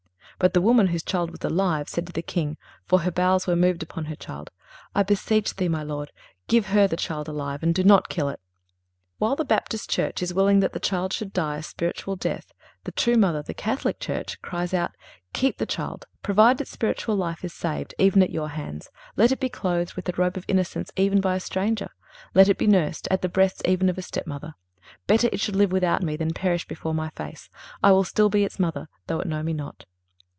"But the woman whose child was alive, said to the king (for her bowels were moved upon her child): I beseech thee, my lord, give her the child alive, and do not kill it." While the Baptist church is willing that the child should die a spiritual death, the true mother, the Catholic Church, cries out: Keep the child, provided its spiritual life is saved, even at your hands. Let it be clothed with the robe of innocence even by a stranger. Let it be nursed at the breasts even of a step mother. Better it should live without me than perish before my face. I will still be its mother, though it know me not.